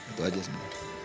itu aja sebenarnya